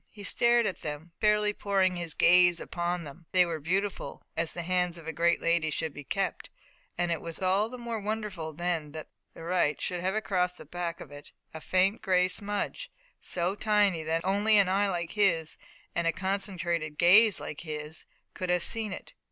He stared at them, fairly pouring his gaze upon them. They were beautiful, as the hands of a great lady should be kept, and it was all the more wonderful then that the right should have across the back of it a faint gray smudge, so tiny that only an eye like his, and a concentrated gaze like his, could have seen it.